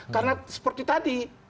karena seperti tadi